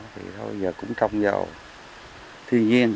thì thôi giờ cũng trong giàu thiên nhiên